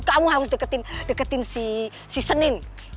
kamu harus deketin deketin si si senin